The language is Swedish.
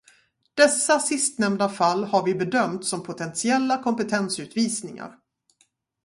Dessa sistnämnda fall har vi bedömt som potentiella kompetensutvisningar.